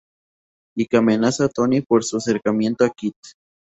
Y que amenaza a Tony por su acercamiento a Kit.